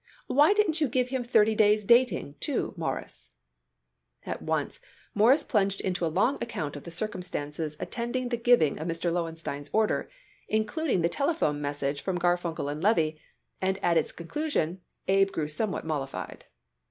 Why didn't you give him thirty days' dating, too, Mawruss?" At once Morris plunged into a long account of the circumstances attending the giving of Mr. Lowenstein's order, including the telephone message from Garfunkel & Levy, and at its conclusion Abe grew somewhat mollified.